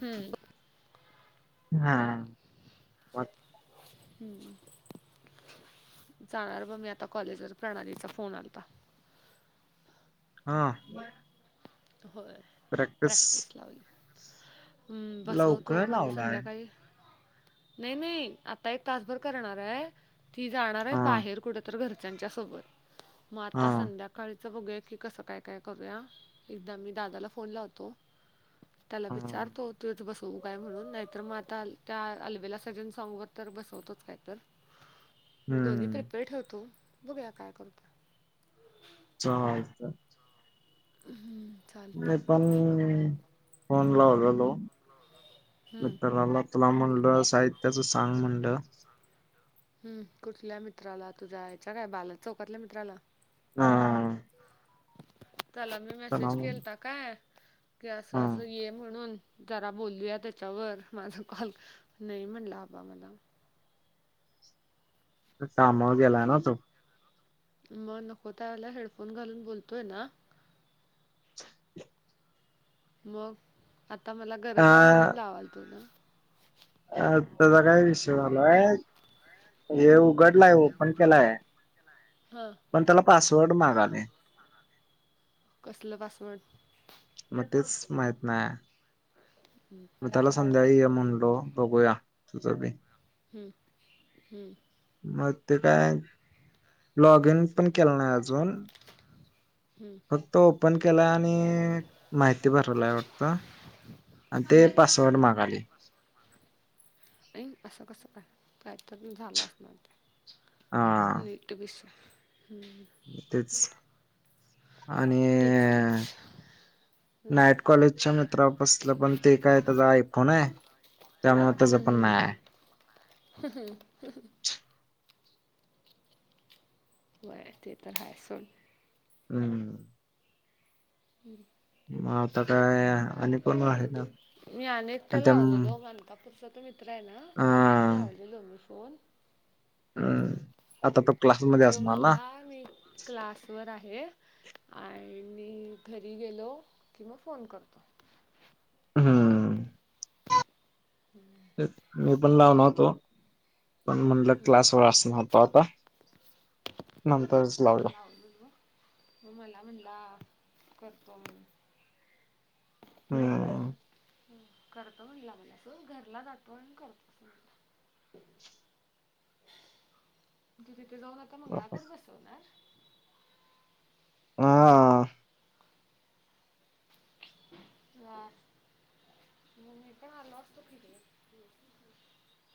हम्म. हा. मग हम्म. जाणार बघ मी आता कॉलेजवर प्रणालीचा फोन आलता. हा. होय प्रॅक्टिस लावली. हम्म बसवतो लवकर म्हणजे लावलाय संध्याकाळी नाही नाही आता एक तासभर करणार आहे ती जाणार आहे हा बाहेर कुठ तर घर त्यांच्या सोबत मग हा आता संध्याकाळच बघूया की कसं काय काय करूया? एकदा मी दादाला फोन लावतो त्याला हा विचारतो तू इथ बसवू काय म्हणून नाहीतर मग आता त्या अल्बेला संजन सॉंग तर बसवतोच काय तर. [inaudible] दोन्ही प्रेपेर ठेवतो बघुया काय करतो? चालतंय हम्म. मी पण फोन लावलेलो. विठालाला तुला म्हणलं साहित्याच सांग म्हणलं. हम् कुठल्या मित्राला तुझ्या याच्या काय बालाजी चौकातल्या मित्राला. हा. त्याला मी त्याला मेसेज मग- केलता काय की, असं हा असं ये म्हणून जरा बोलूया त्याच्यावर माझा कॉल नाही म्हणला आबा मला. कामावर गेलाय ना तो मग नको त्याला वेळेला हेडफोन घालून बोलतोय ना. मग. आता मला अ गरज आहे म्हणून लावलतो ग. अ त्याचा काय विषय झालाय. हे उघडलाय ओपन केलाय हां पण त्याला पासवर्ड मागाले. कसलं पासवर्ड मग तेच माहित नाही मग त्यालाच संध्याकाळी ये म्हणलो बघूया तुझं बी हम्म. हम्म. मग ते काय लॉगिन पण केलं नाही अजून. हम्म. तो ओपन केलाय आणि माहिती भरलाय वाटत. आणि ते हम्म पासवर्ड मागालय. ऐ असं कसं काय काहीतर झालं असणार हा ते नी ते बी स तेच आणि तेच तेच हम्म नाईट कॉलेजच्या मित्रा पसलं पण ते काय त्याचा आयफोन आहे. त्यामुळे त्याच पण हम्म नाही आहे हम् होय ते तर हाय सोड. हम्म. हं हं मग आता काय आणि कोण आहे काय? मी अनेक एकटं लावलेलो माणकापूरचा तो मित्र आहे ना अ त्याला पण लावलेलो मी फोन. हम्म आता तो क्लासमध्ये असणार ना? क्लास वर आहे. आ [unintelligible] मी घरी गेलो कि म फोन करतो. हम्म [unintelligible] ते मी पण लावणार होतो पण म्हणलं क्लासवर आसन आता. नंतरच लावला हम्म लाव [unintelligible] म मला म्हणला करतो म हम करतो म्हणला मला तो घरला जातो आणि करतो. ती तिथे जाऊन आता मंगळागौर बसवणार? ह [unintelligible] म मी पण आलो असतो की [inaudible]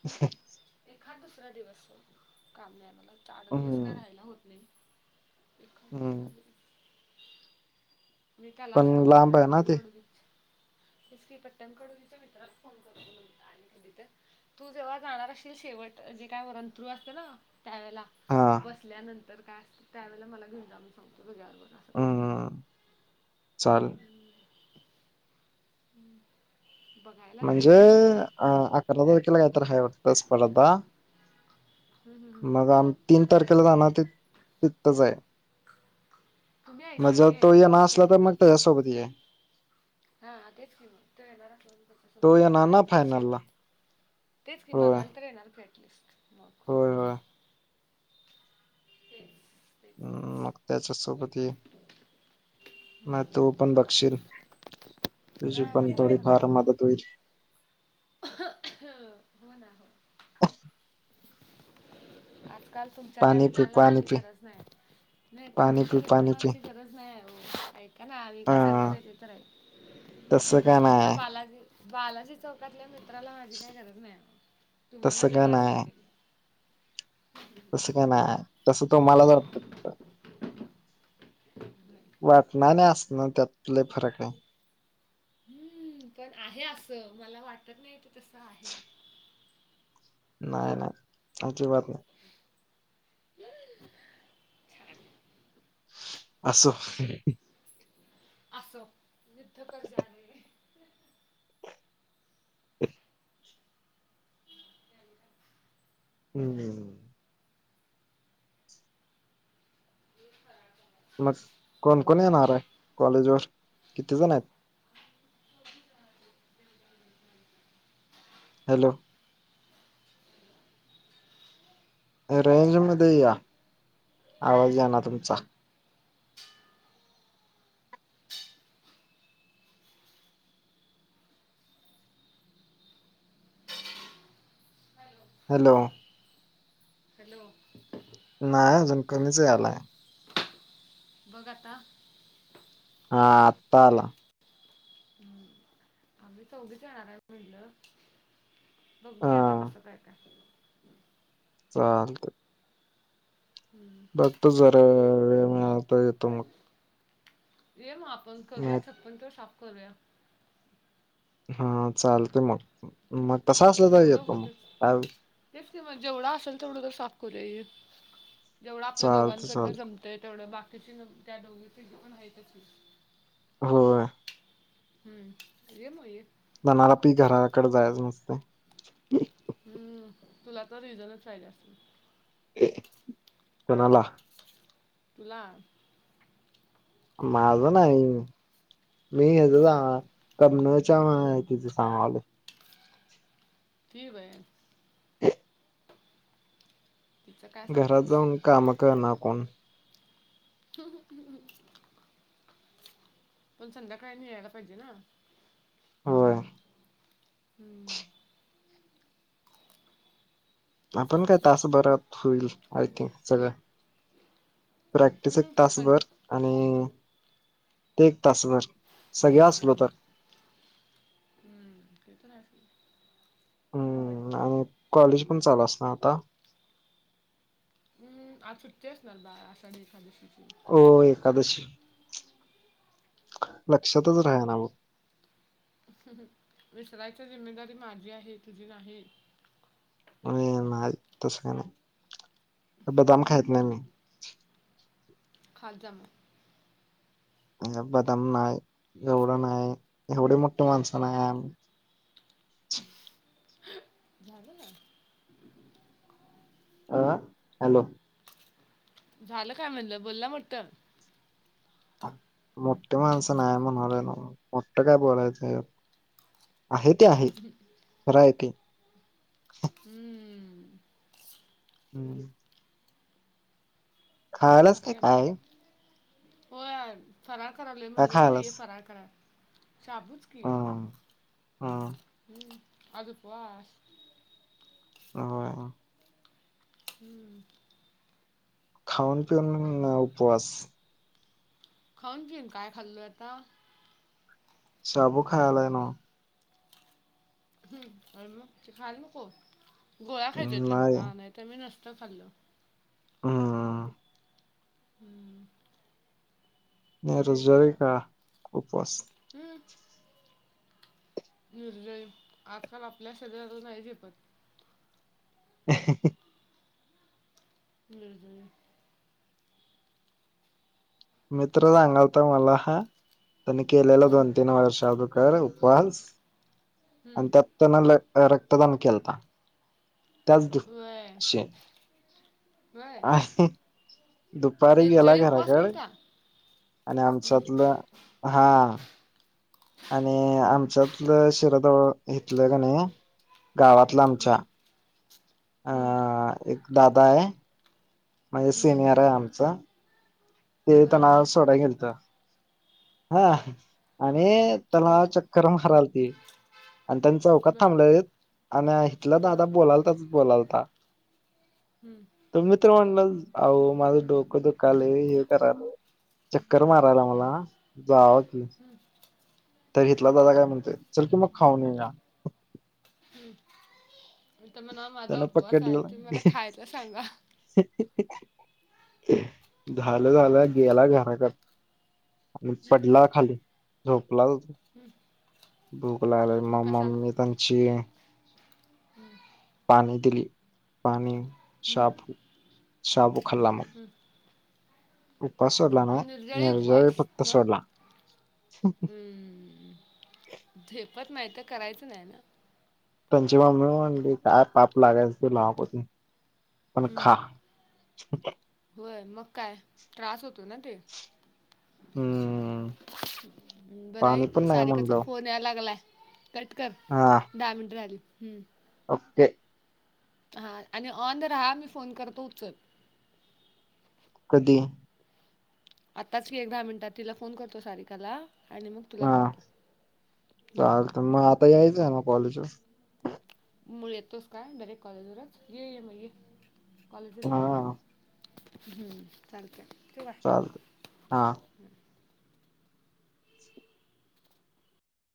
ह् एखाद दुसरा दिवस काम नाही मला चार दिवस काय हम्म राहायला होत नाही. एखाद दुसरा हम्म दिवस मी काल आज पण फोन लांब करतो आहे ना ते पटकन [unintelligible] [unintelligible] त्या मित्राचा फोन [unintelligible] [unintelligible] तू जेव्हा जाणार असशील शेवट जी काही उरंत्रू असते ना. त्यावेळेला हा बसल्यानंतर काय असत त्यावेळेला मला घेऊन जा म्हणून सांगतो तुझ्याबरोबर [unintelligible] हम्मम चाल ह बघायला तरी म्हणजे ॲटलिस्ट अ आकरा तारखेला काहीतरी हाय वाटतं स्पर्धा. मग आम तीन तारखेला जानार ते तिथंच आहे. तुम्ही आहेसारे त्यानं त्यासोबत या हा हा तेच कि मी तो येणार असल्यानंतर तो त्याच्यासोबत येत येणार ना आदले फायनलला शेवट. तेच की होय बघायला तर येणार की एटलिस्ट मग होय हो तेच तेच मग त्याच्यासोबत येऊ? हम्म तस बघशील कर. तुझी पण थोडी फार मदत होईल. हो ना हो. आजकाल तुमच्या त्या पाणी पी मित्राला पाणी आमची पी गरज नाही नाही पाणी तुमच्या त्या पी पाणी मित्राला पी आमची गरज नाही आहे ओ. ऐका ना आम्ही हा काय सांगायलो ते तर तसं काय ऐक तुमच्या नाय बालाजी बालाजी चौकातल्या मित्राला माझी काही गरज नाही. तुम्हाला तसं काय जरी असली नाय तरी. तस का नाही तसं तुम्हालाच वाटतं. वाटणं आणि असणं त्यात लई फरक आहे. हम्म पण आहे आस मला वाटत नाही ते तसं आहे. नाय नाय अजिबात नाय. [unintelligible] असो. असो [unintelligible] हम्म हम [unintelligible] मग कोण कोण येणार कॉलेज वर किती जण आहे? हॅलो. रेंज मध्ये या आवाज ये ना तुमचा. हॅलो. हॅलो नाही अजून कमीच यालाय. बघ आता. हा आता आला हम्म, आम्ही चौघे जाणार आहे म्हणलं बघु हा की आता कस काय काय? चालतंय हम्म. येतो जरा वेळ मिळाला तर येतो मग. ये मग आपण करुया नाही- छप्पर तर साफ करुया. हा चालत मग मग तस असलं तर जेवढं येतो मग होतं काय तेच कि मग जेवढा असेल तेवढं तर साफ करूया ये. जेवढं आपल्या चालतय दोघांकडनं चालतय जमतय तेवढं बाकीची त्या दोघी तिघी पण आहेतच की होय हम् ये मग ये मला बी घराकड जायचं नसते हम्म तुला तर रिझनच पाहिजे असेल. हे कोणाला तूला माझं नाही मी हेज मग जाणार कर्नलच्या माहितीच सांगालोय. [unintelligible] तिचं काय घरात सांगतोस जाऊन काम करणार कोण. हंम पण संध्याकाळी यायला पाहिजे ना. होय हम्म. आपण काय तासभरात होईल आय थिंक सगळं. प्रॅक्टिस एक हम्म. कण- तासभर आणि ते एक तासभर सगळे असलो तर. हम्म. ते तर आहे हम्म आणि मग कॉलेज पण चालू अस ना आता हम्म आज सुट्टी असणार बाळा आषाढी एकादशीची. होय एकादशी लक्षातच राहीना बघ. विसरायची जिम्मेदारी माझी आहे तुझी नाही. आणि नाही तसं काही नाही बदाम खायत नाही मी खात जा मग बदाम नाही एवढ नाही एवढे मोठीे माणसं नाही आम्ही. झालं ना हं आ हॅलो झालं काय म्हणलं बोलला म्हटलं मोठे माणसं नाय म्हणालो नाव मोठ काय बोलायच ह्याज्यात. आहे ते आहे खरा आहे ते. हम्म हम्म. हम्म. बाकीनी काय हो या. फराळ करावले काय म्हणल ना ये खायलाच फरा करा शाबूच. हम हम हम अप. [unintelligible] हो. [unintelligible] हम्म. खाऊन पिऊन ना उपवास. खाऊन पिऊन काय खाल्लं आता. शाबू खायलाय न. हम अ मग ते खाल नको गोळा्या खायच्या रे मला नाही तर मी नसत खाल्ल. हो. हम्म. ज्रीिक. [unintelligible] न्यूझ आजकाल आपल्या शरीराला नाही झेपत. [unintelligible] हा. [unintelligible] हम्म हम्म. मित्र सांगाल तर मला हा त्यांनी केलेला हम्म, दोन तीन वर्ष आधी. उपवास हम्म, आणि त्या. [unintelligible] त्यांना रक्तदान केलता वय त्याचशी. [unintelligible] वय हा. दुपारी गेला निर्जळी उपवास घराकड केलता आणि हम्म, आमच्यातलं हा. आणि हम्म, आमच्यातलं शिरजवळ घेतलं का नाही गावातलं आमच्या. हम्म. हा हं, एक दादा आहे. माझ्या हं. सिनियर आहे आमचं. ते बर नावर बर सोडायला गेलतो हा. बर आणि हं, त्याला माराल ती आणि त्यांचा बर थांबलं आणि हिथला हं, दादा बोलालताच बोलालता. हम्म. तुम्ही तर म्हणलं होय माझं डोकं दुकाले. कराय चक्कर मारायला मला जावं की. हं. तर हिथला दादा काय म्हणतय चल की मग खाऊन येऊ या. हम्म इथं मला म्हणावा माझा त्यानं उपवास आहे पकडलं आणि तुम्ही खायातला सांगा. झालं झालं गेला घराक. आपण हं, सगळं खाली झोपला होतो. हं. भूक लागल म मम्मी त्यांची. [unintelligible] हम्म. पाणी दिली पाणी हं. साबू साबू खाल्ला मग. हम्म. उपास सोडला नाही म्हणजे गळी निर्जळ उपवास फक्त ना. सोडला हम्म झेपत नाही करायचं नाही ना. पची म मिळून म्हली पाप लागायच लावापतीून पण हं. खा. हा. [unintelligible] होय मग काय त्रास होतो ना ते. हम्म पाणी बराऐक पण नाही सारिकाचा म्हणलो फोन याय लागलाय. कट कर. हा. दहा मिनिटे राहिले हम्म. ओके. हां आणि ऑन राहा मी फोन करतो उचल. कधी आत्ताच की एक दहा मिनिटात तिला फोन करतो सारिकाला. आणि मग तुला हा करतो हम्म. चालतं मग आता यायचा आहे म कॉलेजवर. मुळ येतोस काय डैरेक्ट कॉलेजवरच ये म ये कॉलेजवर ये. हां हम्म चालत्या ठेवू का? चालत हा. हम्म.